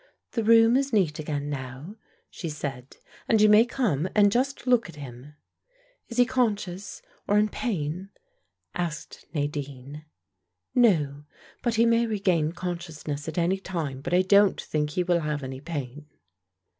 "The room is neat again now," she said, "and you may come and just look at him." "Is he conscious or in pain?" asked Nadine. "No; but he may regain consciousness at any time, but I don't think he will have any pain."